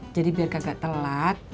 jadi biar kagak telat